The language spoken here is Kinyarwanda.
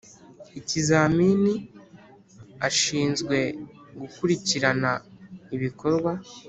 Ikizamini ashinzwe gukurikirana ibikorwa